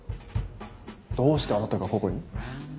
どうしてあなたがここに？